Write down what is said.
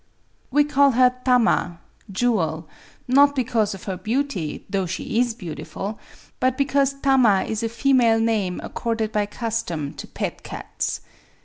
We call her Tama (" Jewel ")— not because of her beauty, though she is beautiful, but because Tama is a female name accorded by custom to pet cats.